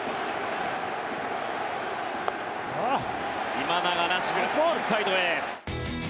今永らしくインサイドへ。